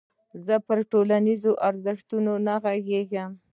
زه پر ټولنيزو ارزښتونو نه غږېږم.